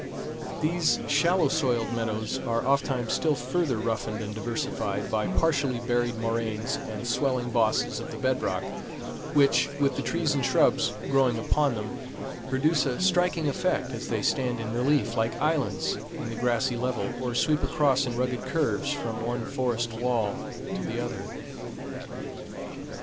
These shallow soiled meadows are oftentimes still further roughened and diversified by partially buried moraines and swelling bosses of the bed rock, which, with the trees and shrubs growing upon them, produce a striking effect as they stand in relief like islands in the grassy level, or sweep across in rugged curves from one forest wall to the other.